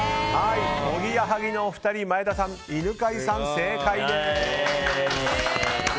おぎやはぎのお二人前田さん、犬飼さん、正解です。